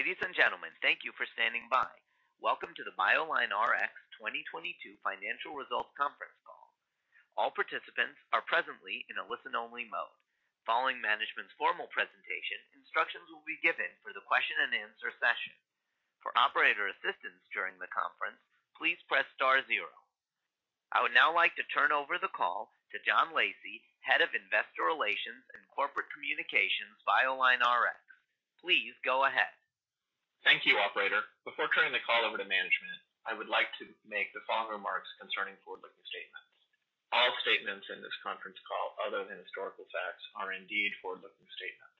Ladies and gentlemen, thank you for standing by. Welcome to the BioLineRx 2022 financial results conference call. All participants are presently in a listen-only mode. Following management's formal presentation, instructions will be given for the question and answer session. For operator assistance during the conference, please press star zero. I would now like to turn over the call to John Lacey, Head of Investor Relations and Corporate Communications, BioLineRx. Please go ahead. Thank you, operator. Before turning the call over to management, I would like to make the following remarks concerning forward-looking statements. All statements in this conference call other than historical facts are indeed forward-looking statements.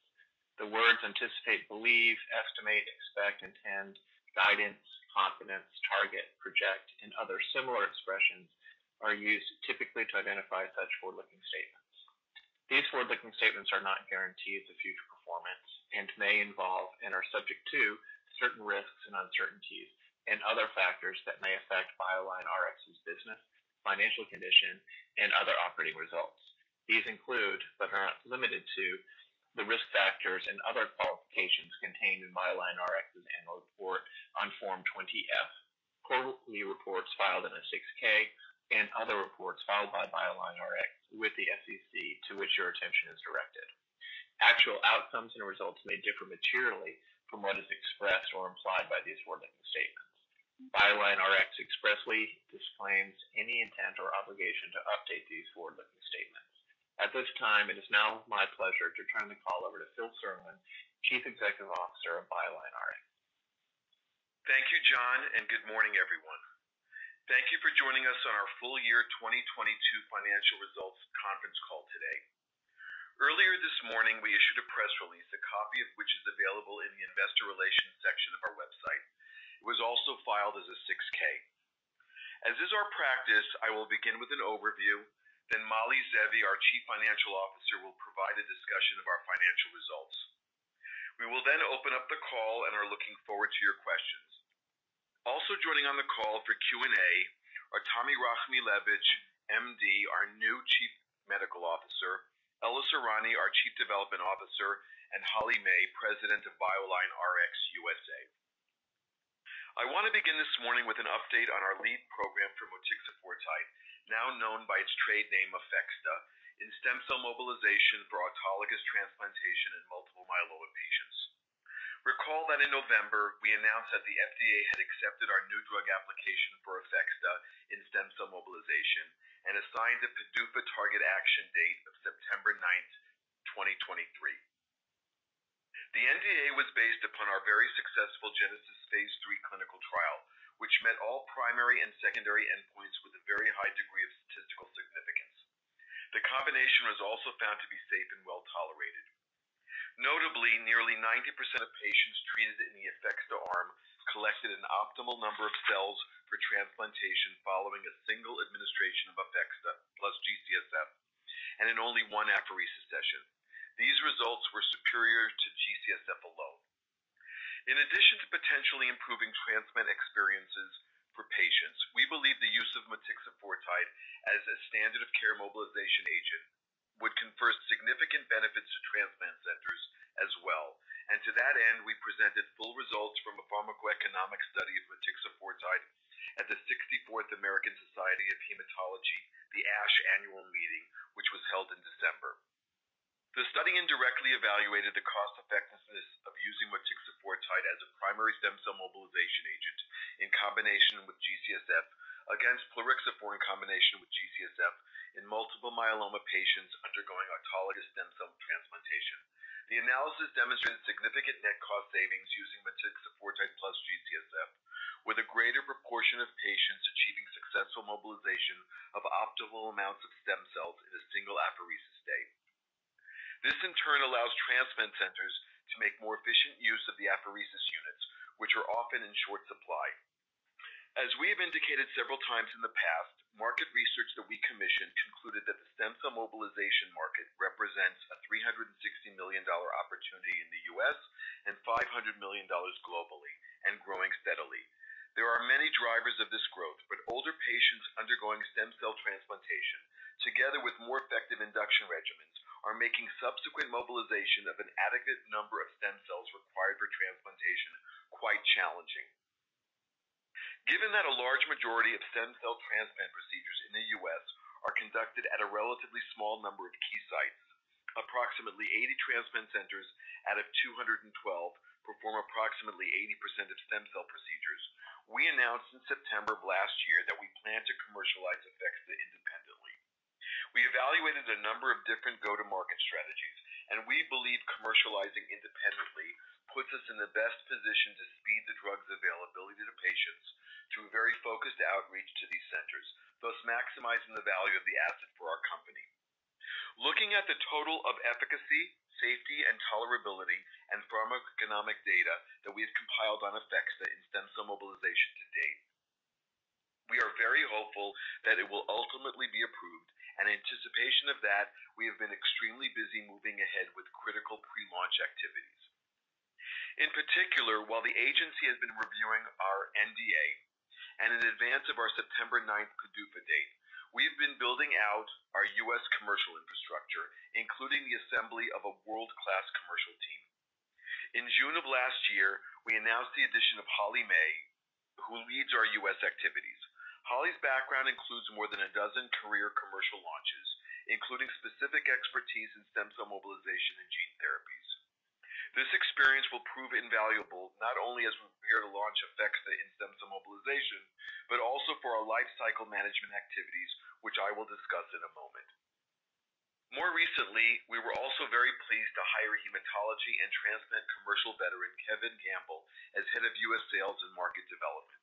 The words anticipate, believe, estimate, expect, intend, guidance, confidence, target, project, and other similar expressions are used typically to identify such forward-looking statements. These forward-looking statements are not guarantees of future performance and may involve and are subject to certain risks and uncertainties and other factors that may affect BioLineRx's business, financial condition, and other operating results. These include, but are not limited to, the risk factors and other qualifications contained in BioLineRx's annual report on Form 20-F, quarterly reports filed in a 6-K, and other reports filed by BioLineRx with the SEC to which your attention is directed. Actual outcomes and results may differ materially from what is expressed or implied by these forward-looking statements. BioLineRx expressly disclaims any intent or obligation to update these forward-looking statements. At this time, it is now my pleasure to turn the call over to Philip Serlin, Chief Executive Officer of BioLineRx. Thank you, John. Good morning, everyone. Thank you for joining us on our full year 2022 financial results conference call today. Earlier this morning, we issued a press release, a copy of which is available in the Investor Relations section of our website. It was also filed as a 6-K. As is our practice, I will begin with an overview, then Mali Zeevi, our Chief Financial Officer, will provide a discussion of our financial results. We will then open up the call and are looking forward to your questions. Joining on the call for Q&A are Tami Rachmilewitz, MD, our new Chief Medical Officer, Ella Sorani, our Chief Development Officer, and Holly May, President of BioLineRx U.S.A. I want to begin this morning with an update on our lead program for motixafortide, now known by its trade name APHEXDA, in stem cell mobilization for autologous transplantation in multiple myeloma patients. Recall that in November, we announced that the FDA had accepted our new drug application for APHEXDA in stem cell mobilization and assigned a PDUFA target action date of September 9, 2023. The NDA was based upon our very successful GENESIS Stage III clinical trial, which met all primary and secondary endpoints with a very high degree of statistical significance. The combination was also found to be safe and well-tolerated. Notably, nearly 90% of patients treated in the APHEXDA arm collected an optimal number of cells for transplantation following a single administration of APHEXDA + G-CSF, and in only one apheresis session. These results were superior to G-CSF alone. In addition to potentially improving transplant experiences for patients, we believe the use of motixafortide as a standard of care mobilization agent would confer significant benefits to transplant centers as well. To that end, we presented full results from a pharmacoeconomic study of motixafortide at the 64th American Society of Hematology, the ASH Annual Meeting, which was held in December. The study indirectly evaluated the cost-effectiveness of using motixafortide as a primary stem cell mobilization agent in combination with G-CSF against plerixafor in combination with G-CSF in multiple myeloma patients undergoing autologous stem cell transplantation. The analysis demonstrated significant net cost savings using motixafortide plus G-CSF, with a greater proportion of patients achieving successful mobilization of optimal amounts of stem cells in a single apheresis day. This in turn allows transplant centers to make more efficient use of the apheresis units, which are often in short supply. As we have indicated several times in the past, market research that we commissioned concluded that the stem cell mobilization market represents a $360 million opportunity in the U.S. and $500 million globally, and growing steadily. Older patients undergoing stem cell transplantation, together with more effective induction regimens, are making subsequent mobilization of an adequate number of stem cells required for transplantation quite challenging. Given that a large majority of stem cell transplant procedures in the U.S. are conducted at a relatively small number of key sites, approximately 80 transplant centers out of 212 perform approximately 80% of stem cell procedures. We announced in September of last year that we plan to commercialize APHEXDA independently. We evaluated a number of different go-to-market strategies, and we believe commercializing independently puts us in the best position to speed the drug's availability to patients through very focused outreach to these centers, thus maximizing the value of the asset for our company. Looking at the total of efficacy, safety, and tolerability and pharmacoeconomic data that we have compiled on APHEXDA in stem cell mobilization to date, we are very hopeful that it will ultimately be approved. In anticipation of that, we have been extremely busy moving ahead with critical pre-launch activities. In particular, while the agency has been reviewing our NDA and in advance of our September ninth PDUFA date, we've been including the assembly of a world-class commercial team. In June of last year, we announced the addition of Holly May, who leads our U.S. activities. Holly's background includes more than 12 career commercial launches, including specific expertise in stem cell mobilization and gene therapies. This experience will prove invaluable not only as we prepare to launch APHEXDA in stem cell mobilization, but also for our lifecycle management activities, which I will discuss in a moment. More recently, we were also very pleased to hire hematology and transplant commercial veteran, Kevin Campbell, as head of U.S. sales and market development.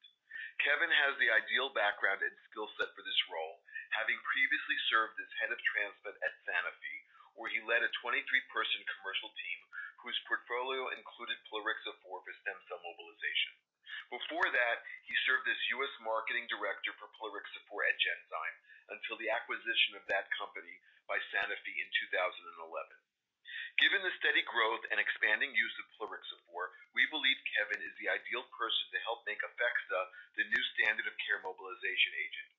Kevin has the ideal background and skill set for this role, having previously served as head of transplant at Sanofi, where he led a 23-person commercial team whose portfolio included plerixafor for stem cell mobilization. Before that, he served as U.S. marketing director for plerixafor at Genzyme until the acquisition of that company by Sanofi in 2011. Given the steady growth and expanding use of Plerixafor, we believe Kevin is the ideal person to help make APHEXDA the new standard of care mobilization agent,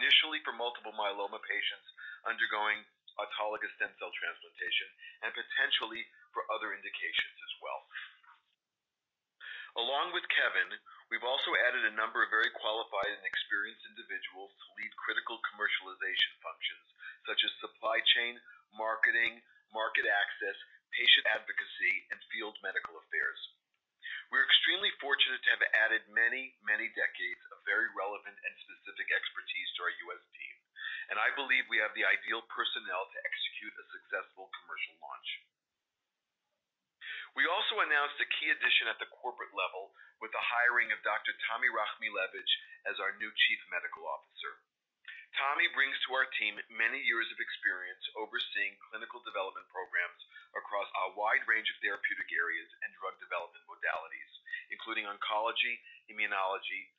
initially for multiple myeloma patients undergoing autologous stem cell transplantation and potentially for other indications as well. Along with Kevin, we've also added a number of very qualified and experienced individuals to lead critical commercialization functions such as supply chain, marketing, market access, patient advocacy, and field medical affairs. We're extremely fortunate to have added many, many decades of very relevant and specific expertise to our U.S. team. I believe we have the ideal personnel to execute a successful commercial launch. We also announced a key addition at the corporate level with the hiring of Dr. Tami Rachmilewitz as our new Chief Medical Officer. Tami brings to our team many years of experience overseeing clinical development programs across a wide range of therapeutic areas and drug development modalities, including oncology, immunology,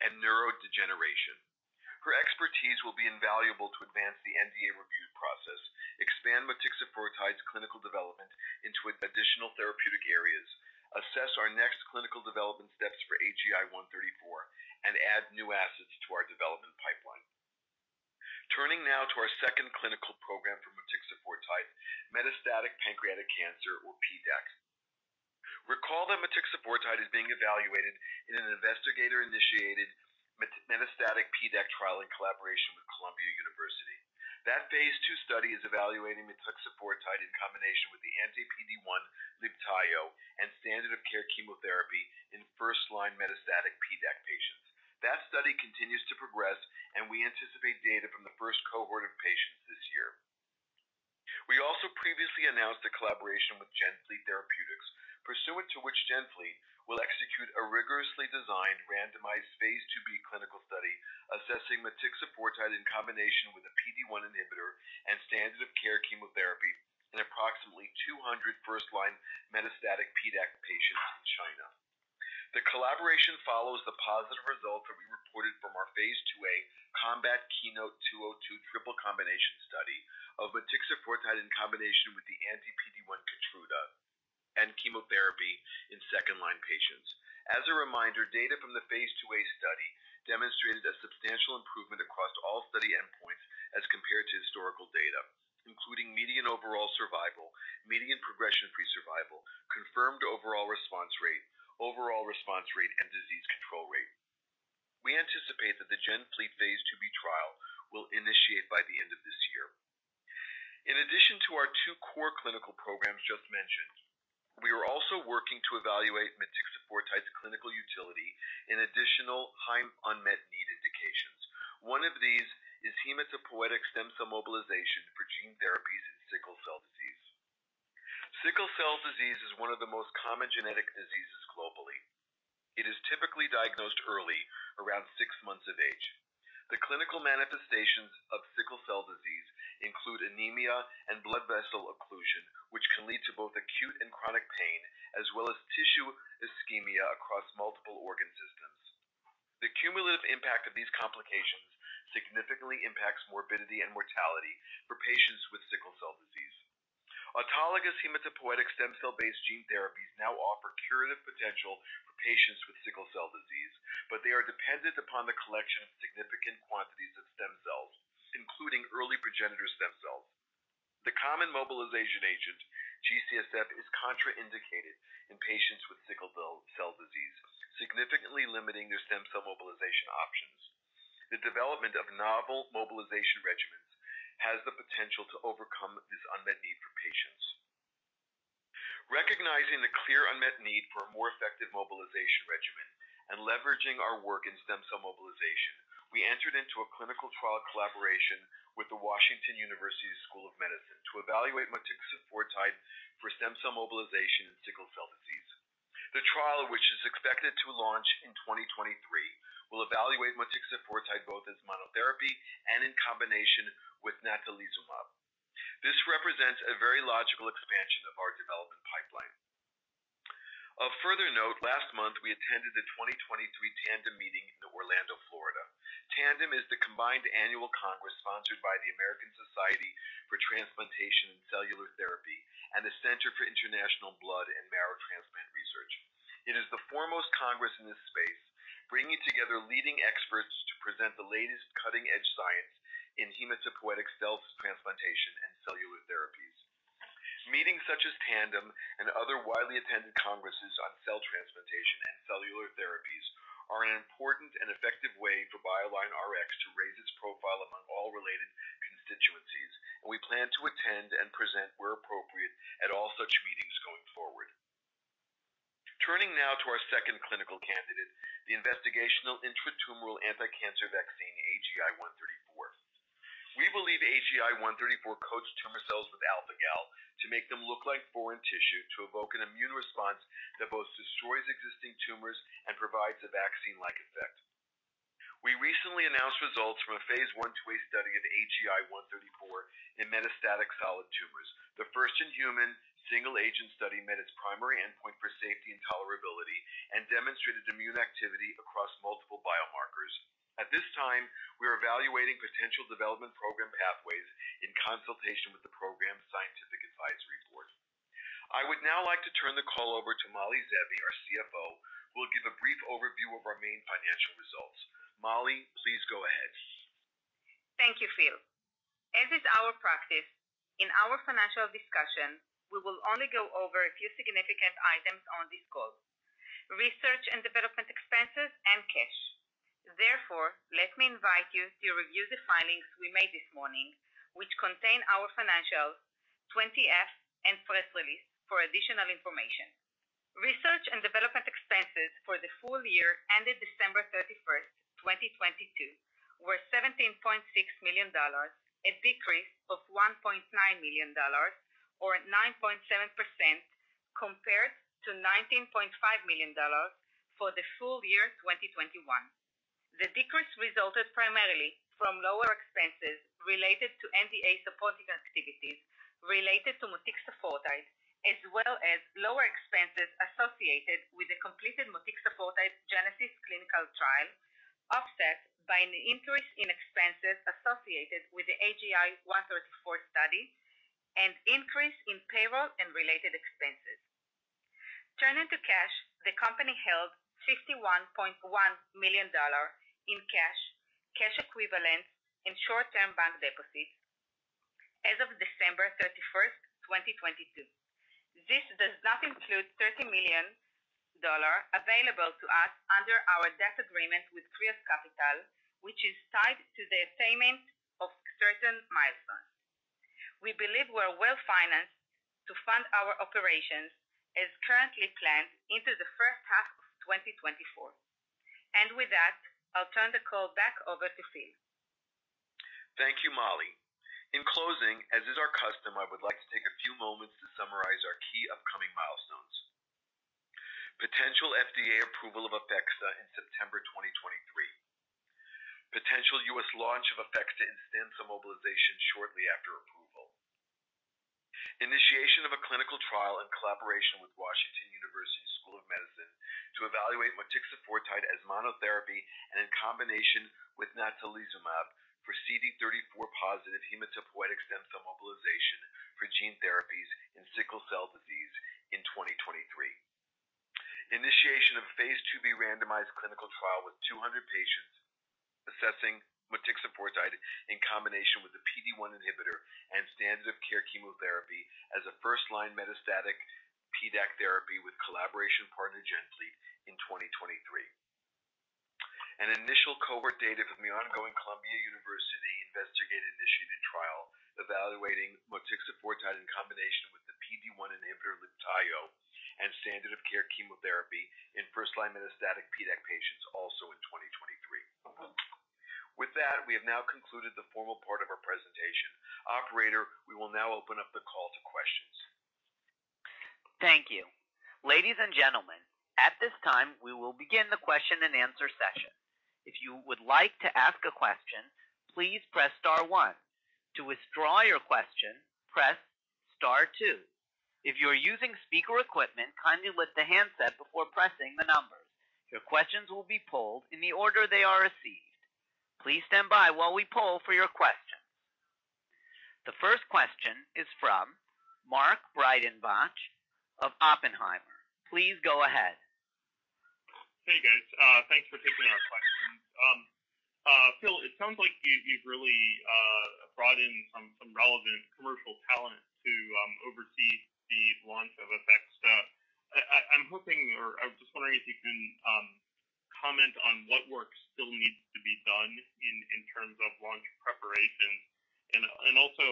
and neurodegeneration. Her expertise will be invaluable to advance the NDA review process, expand motixafortide's clinical development into additional therapeutic areas, assess our next clinical development steps for AGI-134, and add new assets to our development pipeline. Turning now to our second clinical program for motixafortide, metastatic pancreatic cancer or PDAC. Recall that motixafortide is being evaluated in an investigator-initiated meta-metastatic PDAC trial in collaboration with Columbia University. That phase II study is evaluating motixafortide in combination with the anti-PD-1 Libtayo and standard of care chemotherapy in first-line metastatic PDAC patients. That study continues to progress. We anticipate data from the first cohort of patients this year. We also previously announced a collaboration with GenFleet Therapeutics, pursuant to which GenFleet will execute a rigorously designed randomized phase IIb clinical study assessing motixafortide in combination with a PD-1 inhibitor and standard of care chemotherapy in approximately 200 first-line metastatic PDAC patients in China. The collaboration follows the positive results that we reported from our phase IIa COMBAT/KEYNOTE-202 triple combination study of motixafortide in combination with the anti-PD-1 KEYTRUDA and chemotherapy in second line patients. As a reminder, data from the phase IIa study demonstrated a substantial improvement across all study endpoints as compared to historical data, including median overall survival, median progression-free survival, confirmed overall response rate, overall response rate, and disease control rate. We anticipate that the GenFleet phase IIb trial will initiate by the end of this year. In addition to our two core clinical programs just mentioned, we are also working to evaluate motixafortide's clinical utility in additional high unmet need indications. One of these is hematopoietic stem cell mobilization for gene therapies in sickle cell disease. Sickle cell disease is one of the most common genetic diseases globally. It is typically diagnosed early, around six months of age. The clinical manifestations of sickle cell disease include anemia and blood vessel occlusion, which can lead to both acute and chronic pain, as well as tissue ischemia across multiple organ systems. The cumulative impact of these complications significantly impacts morbidity and mortality for patients with sickle cell disease. Autologous hematopoietic stem cell-based gene therapies now offer curative potential for patients with sickle cell disease, but they are dependent upon the collection of significant quantities of stem cells, including early progenitor stem cells. The common mobilization agent G-CSF, is contraindicated in patients with sickle cell disease, significantly limiting their stem cell mobilization options. The development of novel mobilization regimens has the potential to overcome this unmet need for patients. Recognizing the clear unmet need for a more effective mobilization regimen and leveraging our work in stem cell mobilization, we entered into a clinical trial collaboration with the Washington University School of Medicine to evaluate motixafortide for stem cell mobilization in sickle cell disease. The trial, which is expected to launch in 2023, will evaluate motixafortide both as monotherapy and in combination with natalizumab. This represents a very logical expansion of our development pipeline. Of further note, last month we attended the 2023 Tandem Meetings in Orlando, Florida. Tandem is the combined annual congress sponsored by the American Society for Transplantation and Cellular Therapy in this space, bringing together leading experts to present the latest cutting-edge science in hematopoietic cell transplantation and cellular therapies. Meetings such as Tandem and other widely attended congresses on cell transplantation and cellular therapies are an important and effective way for BioLineRx to raise its profile among all related constituencies, and we plan to attend and present where appropriate at all such meetings going forward. Turning now to our second clinical candidate, the investigational intratumoral anticancer vaccine, AGI-134. We believe AGI-134 coats tumor cells with alpha-Gal to make them look like foreign tissue, to evoke an immune response that both destroys existing tumors and provides a vaccine-like effect. We recently announced results from a phase I/IIa study of AGI-134 in metastatic solid tumors. The first in-human single-agent study met its primary endpoint for safety and tolerability and demonstrated immune activity across multiple biomarkers. At this time, we are evaluating potential development program pathways in consultation with the program's scientific advisory board. I would now like to turn the call over to Mali Zeevi, our CFO, who will give a brief overview of our main financial results. Mali, please go ahead. Thank you, Phil. As is our practice, in our financial discussion, we will only go over a few significant items on this call, research and development expenses and cash. Let me invite you to review the filings we made this morning, which contain our financials, 20-F and press release for additional information. Research and development expenses for the full year ended December 31st, 2022, were $17.6 million, a decrease of $1.9 million or 9.7% compared to $19.5 million for the full year 2021. The decrease resulted primarily from lower expenses related to NDA supporting activities related to motixafortide, as well as lower expenses associated with the completed motixafortide GENESIS clinical trial, offset by an increase in expenses associated with the AGI-134 study and increase in payroll and related expenses. Turning to cash, the company held $61.1 million in cash equivalents, and short-term bank deposits as of December 31st, 2022. This does not include $30 million available to us under our debt agreement with Kreos Capital, which is tied to the attainment of certain milestones. We believe we are well-financed to fund our operations as currently planned into the first half of 2024. With that, I'll turn the call back over to Phil. Thank you, Mali. In closing, as is our custom, I would like to take a few moments to summarize our key upcoming milestones. Potential FDA approval of APHEXDA in September 2023. Potential U.S. launch of APHEXDA and stem cell mobilization shortly after approval. Initiation of a clinical trial in collaboration with Washington University School of Medicine to evaluate motixafortide as monotherapy and in combination with Natalizumab for CD34+ hematopoietic stem cell mobilization for gene therapies in sickle cell disease in 2023. Initiation of phase IIb randomized clinical trial with 200 patients assessing motixafortide in combination with a PD-1 inhibitor and standard of care chemotherapy as a first-line metastatic PDAC therapy with collaboration partner GenFleet in 2023. An initial cohort data from the ongoing Columbia University investigator-initiated trial evaluating motixafortide in combination with the PD-1 inhibitor Libtayo and standard of care chemotherapy in first-line metastatic PDAC patients also in 2023. With that, we have now concluded the formal part of our presentation. Operator, we will now open up the call to questions. Thank you. Ladies and gentlemen, at this time, we will begin the question and answer session. If you would like to ask a question, please press star one. To withdraw your question, press star two. If you are using speaker equipment, kindly lift the handset before pressing the numbers. Your questions will be polled in the order they are received. Please stand by while we poll for your questions. The first question is from Mark Breidenbach of Oppenheimer. Please go ahead. Hey, guys. Thanks for taking our questions. Phil, it sounds like you've really brought in some relevant commercial talent to oversee the launch of APHEXDA. I'm hoping or I was just wondering if you can comment on what work still needs to be done in terms of launch preparations and also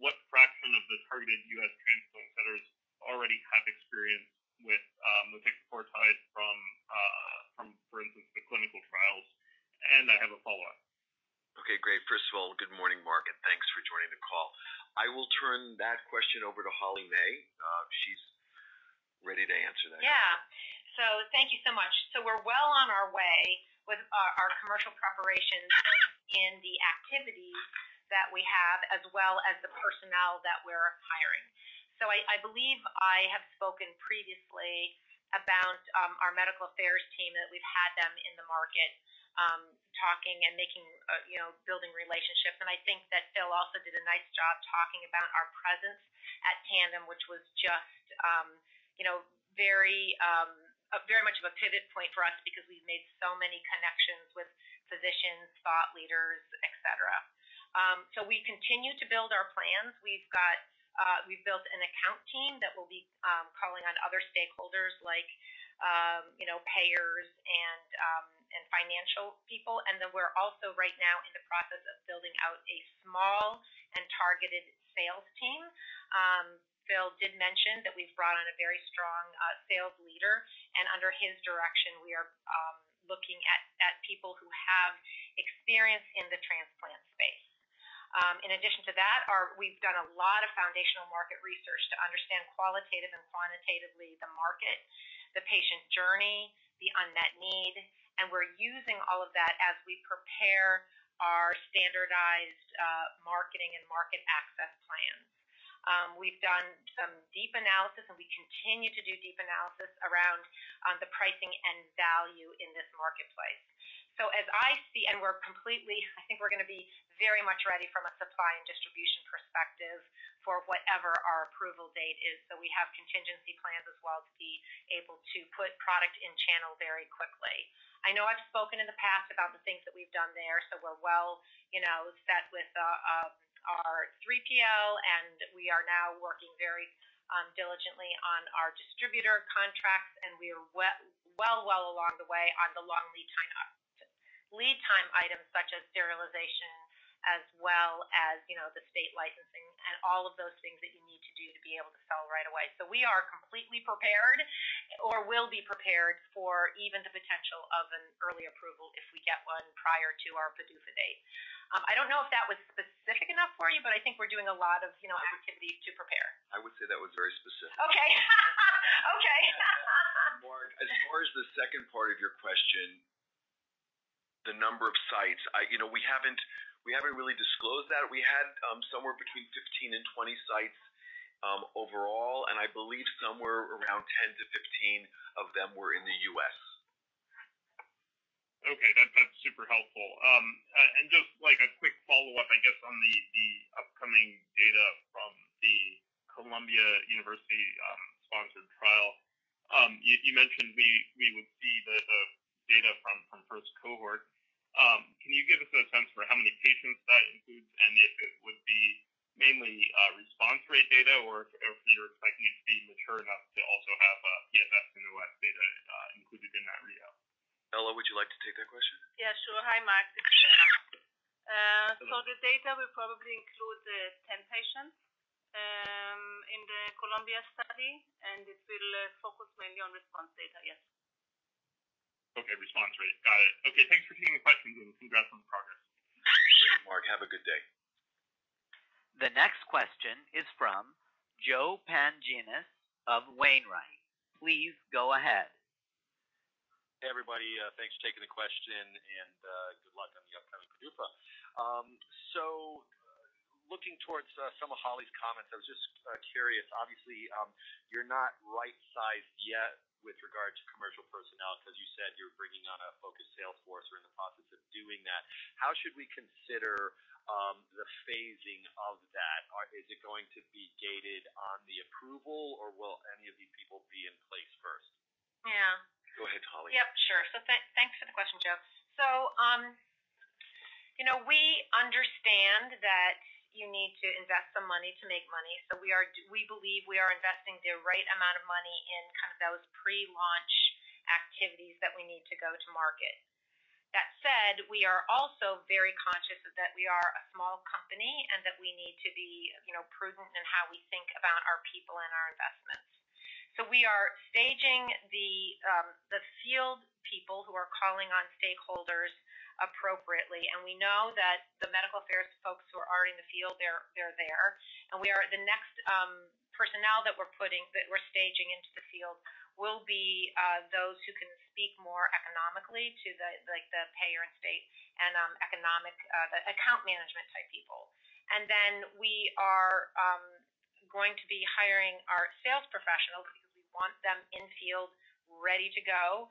what fraction of the targeted U.S. transplant centers already have experience with motixafortide from, for instance, the clinical trials. I have a follow-up. Okay, great. First of all, good morning, Mark, and thanks for joining the call. I will turn that question over to Holly May. She's ready to answer that. Yeah. Thank you so much. We're well on our way with our commercial preparations in the activities that we have as well as the personnel that we're hiring. I believe I have spoken previously about our medical affairs team, that we've had them in the market, talking and making, you know, building relationships. I think that Phil also did a nice job talking about our presence at Tandem, which was just, you know, very, very much of a pivot point for us because we've made so many connections with physicians, thought leaders, etc. We continue to build our plans. We've got, we've built an account team that will be calling on other stakeholders like, you know, payers and financial people. We're also right now in the process of building out a small and targeted sales team. Phil did mention that we've brought on a very strong sales leader, and under his direction, we are looking at people who have experience in the transplant space. In addition to that, we've done a lot of foundational market research to understand qualitatively and quantitatively the market, the patient journey, the unmet need, and we're using all of that as we prepare our standardized marketing and market access plans. We've done some deep analysis, and we continue to do deep analysis around the pricing and value in this marketplace. As I see, I think we're gonna be very much ready from a supply and distribution perspective for whatever our approval date is. We have contingency plans as well to be able to put product in channel very quickly. I know I've spoken in the past about the things that we've done there, so we're well, you know, set with our 3PL, and we are now working very diligently on our distributor contracts. We are well along the way on the long lead time, lead time items such as serialization as well as, you know, the state licensing and all of those things that you need to do to be able to sell right away. We are completely prepared or will be prepared for even the potential of an early approval if we get one prior to our PDUFA date. I don't know if that was specific enough for you, but I think we're doing a lot of, you know, activities to prepare. I would say that was very specific. Okay. Okay. Mark, as far as the second part of your question, the number of sites, you know, we haven't really disclosed that. We had somewhere between 15 and 20 sites overall, and I believe somewhere around 10 to 15 of them were in the U.S. Okay, that's super helpful. Just like a quick follow-up, I guess, on the upcoming data from the Columbia University sponsored trial. You mentioned we would see the data from first cohort. Can you give us a sense for how many patients that includes and if it would be mainly response rate data or if you're expecting it to be mature enough to also have PFS and OS data included in that readout? Ella, would you like to take that question? Yeah, sure. Hi, Mark. This is Ella. The data will probably include the 10 patients in the Columbia study, and it will focus mainly on response data. Yes. Okay. Response rate. Got it. Okay. Thanks for taking the question, Congrats on the progress. Great, Mark. Have a good day. The next question is from Joe Pantginis of Wainwright. Please go ahead. Hey, everybody. Thanks for taking the question, and good luck on the upcoming PDUFA. Looking towards some of Holly's comments, I was just curious. Obviously, you're not right-sized yet with regard to commercial personnel 'cause you said you're bringing on a focused sales force or in the process of doing that. How should we consider the phasing of that? Or is it going to be gated on the approval, or will any of these people be in place first? Yeah. Go ahead, Holly. Yep, sure. Thanks for the question, Joe. You know, we understand that you need to invest some money to make money. We believe we are investing the right amount of money in kind of those pre-launch activities that we need to go to market. That said, we are also very conscious that we are a small company and that we need to be, you know, prudent in how we think about our people and our investments. We are staging the field people who are calling on stakeholders appropriately. We know that the medical affairs folks who are already in the field, they're there. The next personnel that we're staging into the field will be those who can speak more economically to the, like, the payer and state and economic, the account management type people. We are going to be hiring our sales professionals because we want them in field ready to go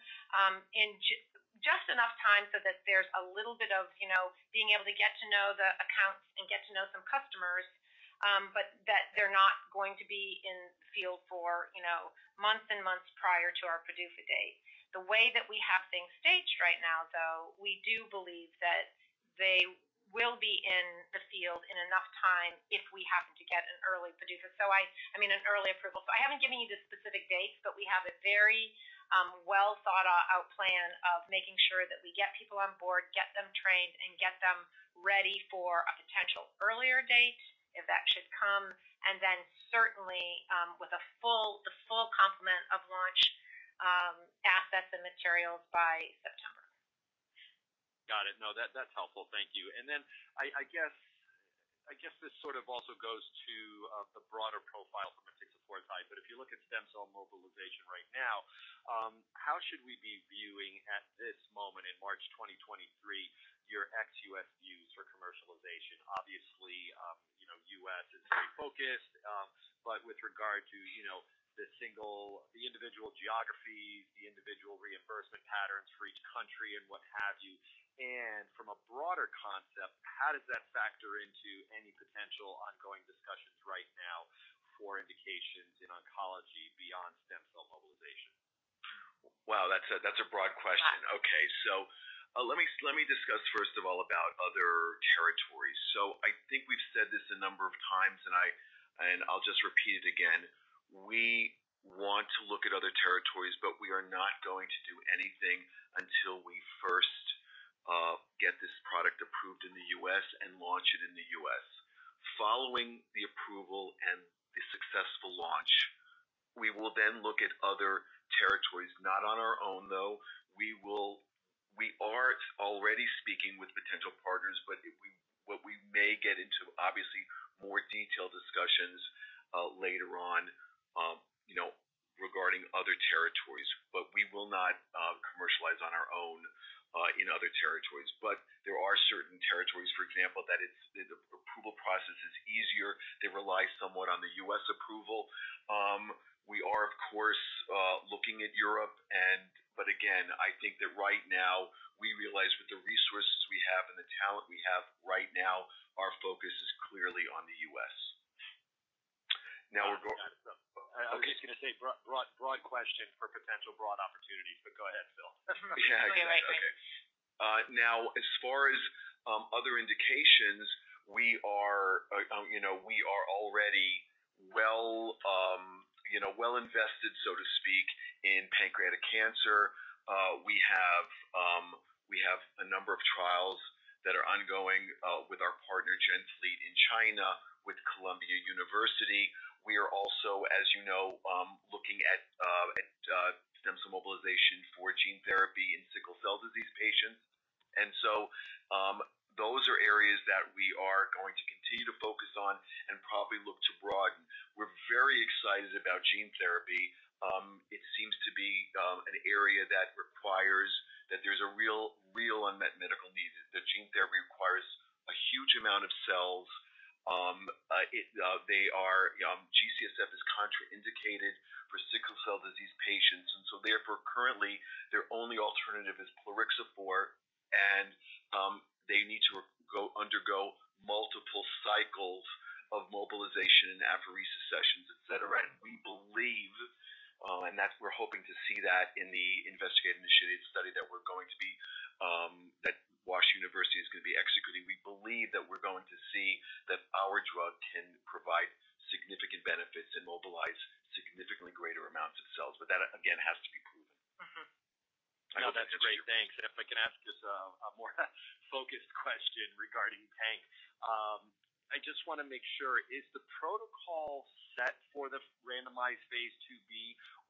just enough time so that there's a little bit of, you know, being able to get to know the accounts and get to know some customers, but that they're not going to be in field for, you know, months and months prior to our PDUFA date. The way that we have things staged right now, though, we do believe that they will be in the field in enough time if we happen to get an early PDUFA. I mean, an early approval. I haven't given you the specific dates, but we have a very well-thought-out plan of making sure that we get people on board, get them trained, and get them ready for a potential earlier date if that should come, and then certainly, with the full complement of launch assets and materials by September. Got it. No, that's helpful. Thank you. I guess this sort of also goes to the broader profile from a CXCR4 side, but if you look at stem cell mobilization right now, how should we be viewing at this moment in March 2023, your ex-U.S. views for commercialization? Obviously, you know, U.S. is very focused, but with regard to, you know, the single individual geographies, the individual reimbursement patterns for each country and what have you. From a broader concept, how does that factor into any potential ongoing discussions right now for indications in oncology beyond stem cell mobilization? Wow, that's a broad question. Yeah. Okay. Let me discuss first of all about other territories. I think we've said this a number of times, and I'll just repeat it again. We want to look at other territories, but we are not going to do anything until we first get this product approved in the U.S. and launch it in the U.S. Following the approval and the successful launch, we will then look at other territories. Not on our own, though. We are already speaking with potential partners, but we may get into obviously more detailed discussions later on, you know, regarding other territories. We will not commercialize on our own in other territories. There are certain territories, for example, that the approval process is easier. They rely somewhat on the U.S. approval. We are of course, looking at Europe. I think that right now we realize with the resources we have and the talent we have right now, our focus is clearly on the U.S. I was just gonna say, broad question for potential broad opportunities. Go ahead, Phil. Yeah. Okay. Way ahead. Now as far as other indications, we are, you know, we are already well, you know, well invested, so to speak, in pancreatic cancer. We have, we have a number of trials that are ongoing with our partner, GenFleet in China with Columbia University. We are also, as you know, looking at stem cell mobilization for gene therapy in sickle cell disease patients. Those are areas that we are going to continue to focus on and probably look to broaden. We're very excited about gene therapy. It seems to be an area that requires that there's a real unmet medical need. The gene therapy requires a huge amount of cells. G-CSF is contraindicated for sickle cell disease patients. Therefore, currently, their only alternative is plerixafor, and they need to undergo multiple cycles of mobilization and apheresis sessions, et cetera. We believe, and that's we're hoping to see that in the investigator-initiated study that we're going to be that Wash University is gonna be executing. We believe that we're going to see that our drug can provide significant benefits and mobilize significantly greater amounts of cells. That again has to be proven. No, that's great. Thanks. If I can ask just a more focused question regarding pan. I just want to make sure, is the protocol set for the randomized phase IIb,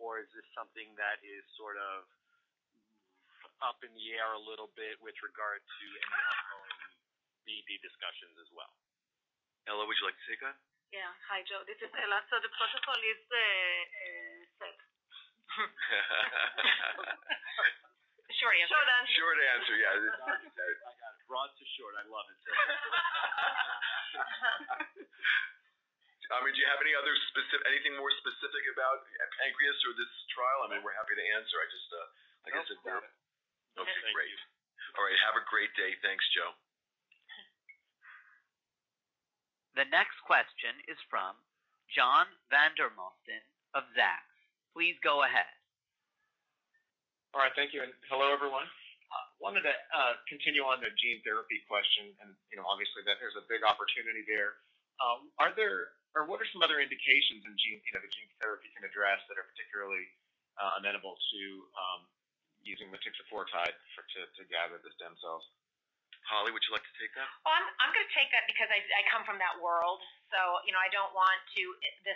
or is this something that is sort of up in the air a little bit with regard to any ongoing BB discussions as well? Ella Sorani, would you like to take that? Yeah. Hi, Joe. This is Ella. The protocol is set. Short answer. So then- Short answer, yeah. Broad to short. I love it. I mean, do you have any other anything more specific about pancreas or this trial? I mean, we're happy to answer. I just, I guess it's. No. Okay. Great. All right. Have a great day. Thanks, Joe. The next question is from John Vandermosten of Zacks. Please go ahead. All right. Thank you. Hello, everyone. wanted to continue on the gene therapy question, you know, obviously that there's a big opportunity there. Are there or what are some other indications in gene, you know, the gene therapy can address that are particularly amenable to using the motixafortide for, to gather the stem cells? Holly, would you like to take that? I'm gonna take that because I come from that world, so, you know, I don't want the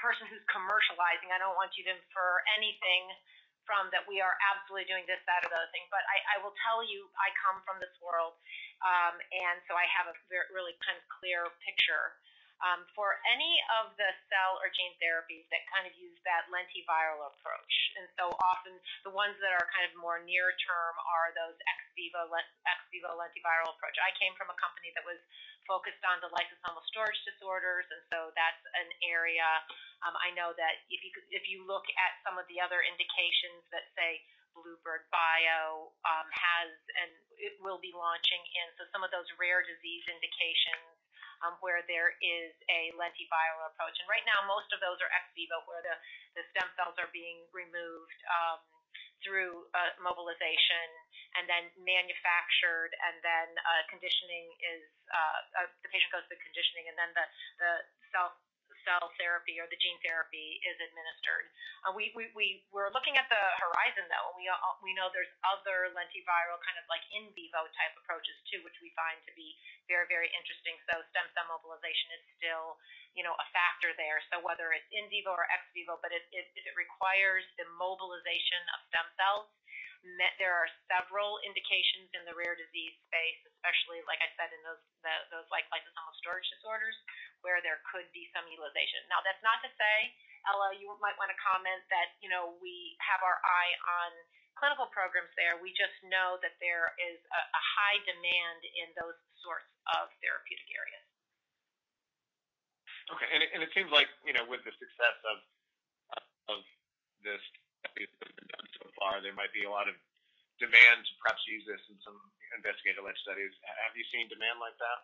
person who's commercializing to infer anything from that we are absolutely doing this, that or the other thing. I will tell you, I come from this world. I have a very, really kind of clear picture. For any of the cell or gene therapies that kind of use that lentiviral approach, often the ones that are kind of more near term are those ex vivo lentiviral approach. I came from a company that was focused on the lysosomal storage disorders, that's an area, I know that if you could, if you look at some of the other indications that, say, bluebird bio, has and it will be launching in, so some of those rare disease indications, where there is a lentiviral approach. Right now most of those are ex vivo, where the stem cells are being removed, through mobilization and then manufactured and then conditioning is the patient goes through conditioning and then the cell therapy or the gene therapy is administered. We're looking at the horizon, though. We know there's other lentiviral kind of like in vivo type approaches too, which we find to be very, very interesting. Stem cell mobilization is still, you know, a factor there. Whether it's in vivo or ex vivo, but it requires the mobilization of stem cells. There are several indications in the rare disease space, especially like I said, in those like lysosomal storage disorders, where there could be some utilization. That's not to say, Ella, you might wanna comment that, you know, we have our eye on clinical programs there. We just know that there is a high demand in those sorts of therapeutic areas. Okay. It seems like, you know, with the success of this that you've done so far, there might be a lot of demand to perhaps use this in some investigative life studies. Have you seen demand like that?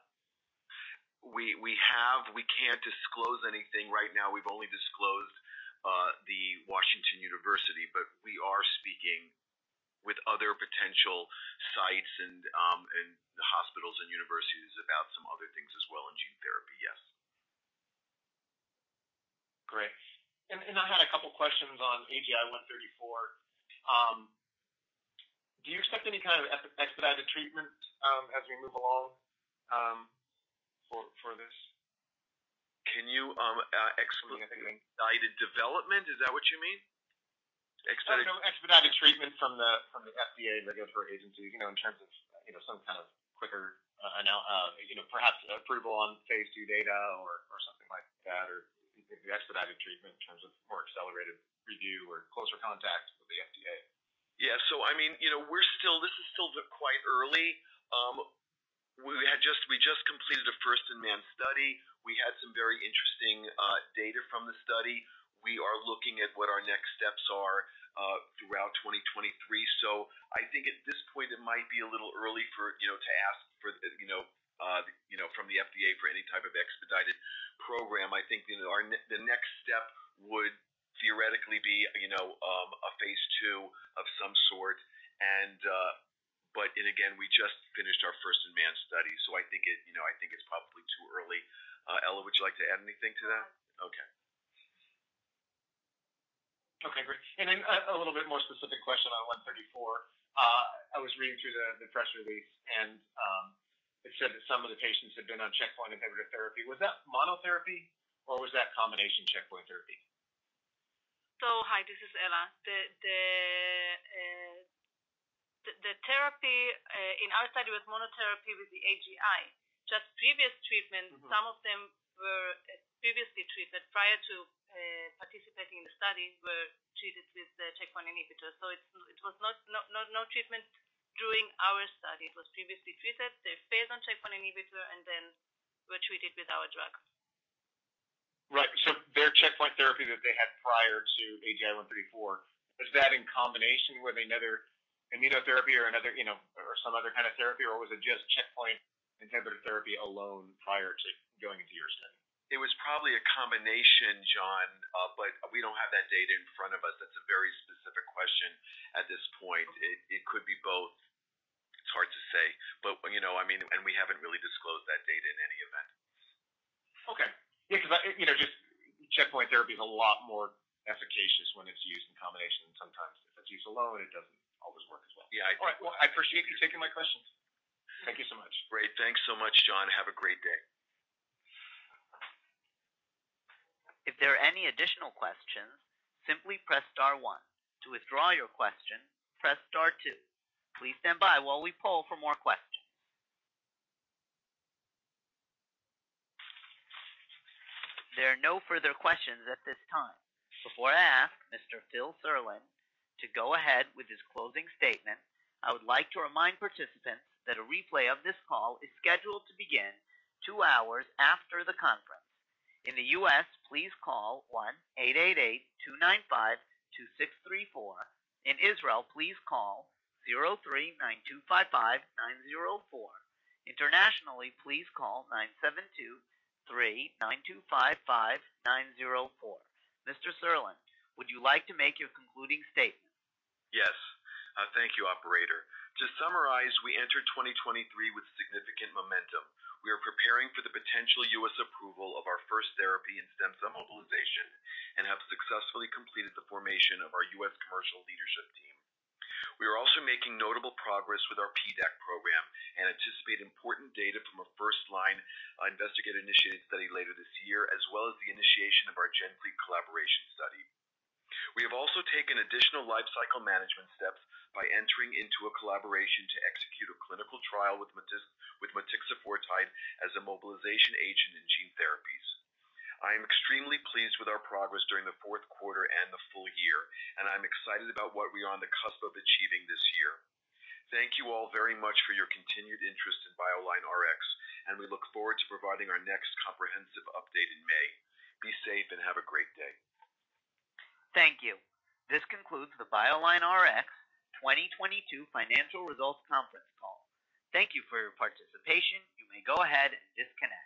We have. We can't disclose anything right now. We've only disclosed the Washington University, but we are speaking with other potential sites and hospitals and universities about some other things as well in gene therapy. Yes. Great. I had a couple questions on AGI-134. Do you expect any kind of expedited treatment for this? Can you expedited development, is that what you mean? I know expedited treatment from the FDA regulatory agencies, you know, in terms of, you know, some kind of quicker, you know, perhaps approval on phase II data or something like that, or expedited treatment in terms of more accelerated review or closer contact with the FDA. I mean, you know, This is still quite early. We just completed a first-in-man study. We had some very interesting data from the study. We are looking at what our next steps are throughout 2023. I think at this point it might be a little early for, you know, to ask for the, you know, from the FDA for any type of expedited program. I think, you know, the next step would theoretically be, you know, a phase II of some sort and, but then again, we just finished our first-in-man study. I think it's probably too early. Ella, would you like to add anything to that? Okay. Okay, great. Then a little bit more specific question on 134. I was reading through the press release and it said that some of the patients had been on checkpoint inhibitor therapy. Was that monotherapy or was that combination checkpoint therapy? Hi, this is Ella. The therapy in our study was monotherapy with the AGI. Just previous treatment, some of them were previously treated prior to participating in the study, were treated with the checkpoint inhibitor. It was no treatment during our study. It was previously treated. They failed on checkpoint inhibitor, were treated with our drug. Right. Their checkpoint therapy that they had prior to AGI-134, was that in combination with another immunotherapy or another, you know, or some other kind of therapy, or was it just checkpoint inhibitor therapy alone prior to going into your study? It was probably a combination, John, but we don't have that data in front of us. That's a very specific question at this point. It could be both. It's hard to say, but, you know, I mean, we haven't really disclosed that data in any event. 'Cause I, you know, just checkpoint therapy is a lot more efficacious when it's used in combination. Sometimes if it's used alone, it doesn't always work as well. Yeah, All right. Well, I appreciate you taking my questions. Thank you so much. Great. Thanks so much, John. Have a great day. If there are any additional questions, simply press star one. To withdraw your question, press star two. Please stand by while we poll for more questions. There are no further questions at this time. Before I ask Mr. Phil Serlin to go ahead with his closing statement, I would like to remind participants that a replay of this call is scheduled to begin two hours after the conference. In the U.S., please call 1-888-295-2634. In Israel, please call 03-925-5904. Internationally, please call 972-3-925-5904. Mr. Serlin, would you like to make your concluding statement? Yes. Thank you, operator. To summarize, we enter 2023 with significant momentum. We are preparing for the potential U.S. approval of our first therapy in stem cell mobilization and have successfully completed the formation of our U.S. commercial leadership team. We are also making notable progress with our PDAC program and anticipate important data from a first-line, investigator-initiated study later this year, as well as the initiation of our GenFleet collaboration study. We have also taken additional lifecycle management steps by entering into a collaboration to execute a clinical trial with motixafortide as a mobilization agent in gene therapies. I am extremely pleased with our progress during the fourth quarter and the full year, and I'm excited about what we are on the cusp of achieving this year. Thank you all very much for your continued interest in BioLineRx, and we look forward to providing our next comprehensive update in May. Be safe and have a great day. Thank you. This concludes the BioLineRx 2022 financial results conference call. Thank you for your participation. You may go ahead and disconnect.